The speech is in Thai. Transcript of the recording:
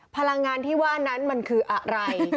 พลังงานที่ว่านั้นมันคืออะไร